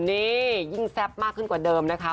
นี่ยิ่งแซ่บมากขึ้นกว่าเดิมนะคะ